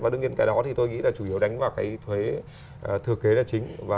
và đương nhiên cái đó tôi nghĩ là chủ yếu đánh vào cái thuế thừa kế là chính